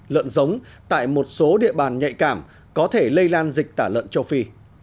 lợn giống tại một số địa bàn nhạy cảm có thể lây lan dịch tả lợn châu phi